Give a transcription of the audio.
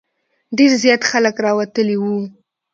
ډېر زیات خلک راوتلي وو.